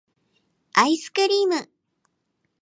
アイスクリーム